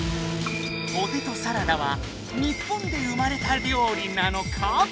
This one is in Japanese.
ポテトサラダは日本で生まれたりょう理なのか？